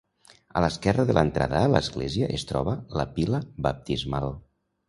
A l'esquerra de l'entrada a l'església es troba la pila baptismal.